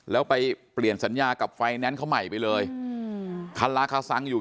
แล้วไปเปลี่ยนสัญญากับไฟแนนซ์เขาใหม่ไปเลยอืมคาราคาซังอยู่